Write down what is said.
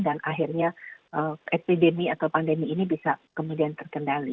dan akhirnya epidemi atau pandemi ini bisa kemudian terkendali